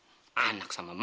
ini orangnya orang sama ada